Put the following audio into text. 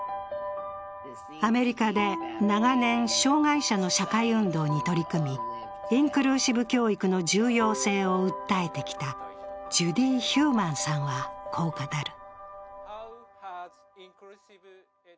アメリカで長年、障害者の社会運動に取り組みインクルーシブ教育の重要性を訴えてきたジュディ・ヒューマンさんはこう語る。